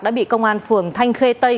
đã bị công an phường thanh khê tây